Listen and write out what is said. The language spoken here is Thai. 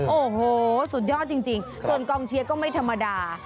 โอ้โหสุดยอดจริงส่วนกองเชียร์ก็ไม่ธรรมดา